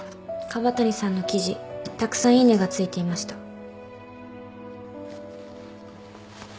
椛谷さんの記事たくさんいいねが付いていました。